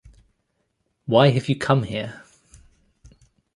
Why have you come here?